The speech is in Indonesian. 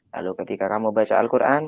lalu ketika kamu baca al quran